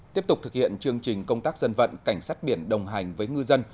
tiếp tục thực hiện chương trình công tác dân vận cảnh sát biển đồng hành với ngư dân